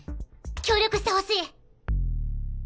協力してほしい！